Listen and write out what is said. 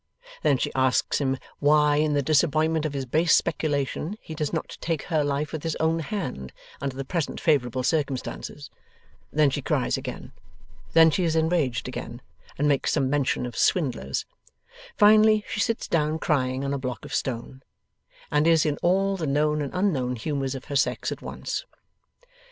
Then she asks him, why, in the disappointment of his base speculation, he does not take her life with his own hand, under the present favourable circumstances. Then she cries again. Then she is enraged again, and makes some mention of swindlers. Finally, she sits down crying on a block of stone, and is in all the known and unknown humours of her sex at once.